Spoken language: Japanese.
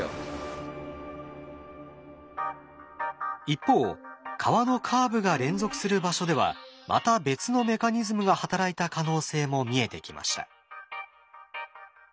一方川のカーブが連続する場所ではまた別のメカニズムが働いた可能性も見えてきました。